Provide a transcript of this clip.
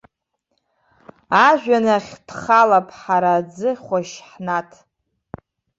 Ажәҩан ахь дхалап, ҳара аӡы хәашь ҳнаҭ!